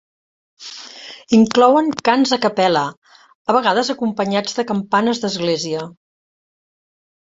Inclouen cants a cappella, a vegades acompanyats de campanes d'església.